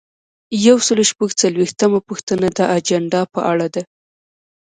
یو سل او شپږ څلویښتمه پوښتنه د اجنډا په اړه ده.